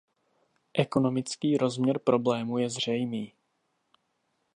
Ekonomický rozměr problému je zřejmý.